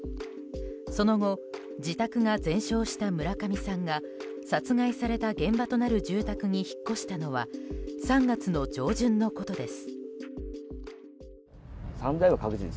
その後自宅が全焼した村上さんが殺害された現場となる住宅に引っ越したのは３月の上旬のことです。